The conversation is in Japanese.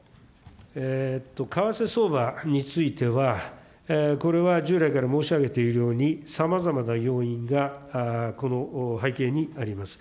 為替相場については、これは従来から申し上げているように、さまざまな要因がこの背景にあります。